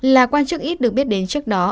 là quan chức ít được biết đến trước đó